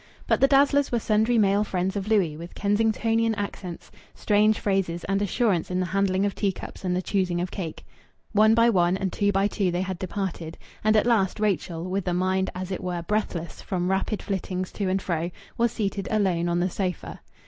But the dazzlers were sundry male friends of Louis, with Kensingtonian accents, strange phrases, and assurance in the handling of teacups and the choosing of cake.... One by one and two by two they had departed, and at last Rachel, with a mind as it were breathless from rapid flittings to and fro, was seated alone on the sofa.